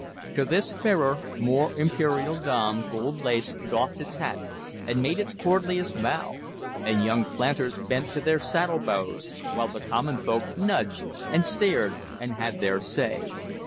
To this fairer, more imperial dame gold lace doffed its hat and made its courtliest bow, and young planters bent to their saddlebows, while the common folk nudged and stared and had their say.